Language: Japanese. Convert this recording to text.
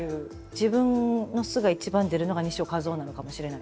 自分の素が一番出るのが西尾一男なのかもしれないです。